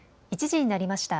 １時になりました。